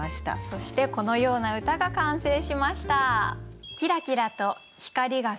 そしてこのような歌が完成しました。